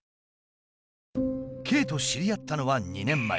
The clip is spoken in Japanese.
Ｋと知り合ったのは２年前。